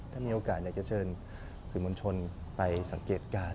ถ้ามีโอกาสอยากจะเชิญสื่อมวลชนไปสังเกตการณ์